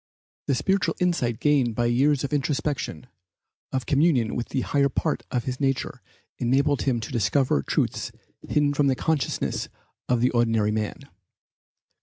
The spiritual insight gained by years of introspection, of communion with the higher part of his nature enabled him to discover truths hidden to the consciousness of the ordinary man.